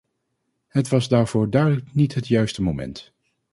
Het was daarvoor duidelijk niet het juiste moment.